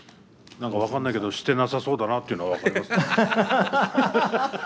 何か分かんないけどしてなさそうだなっていうのは分かります。